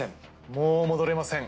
もう戻れません